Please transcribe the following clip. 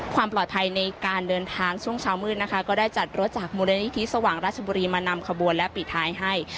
ความปลอดภัยในการเดินทางช่วงเช้ามืดนะคะก็ได้จัดรถจากมูลนิธิสว่างราชบุรีมานำขบวนและปิดท้ายให้